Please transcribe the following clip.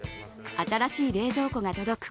新しい冷蔵庫が届く